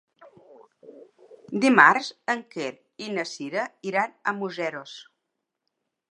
Dimarts en Quer i na Sira iran a Museros.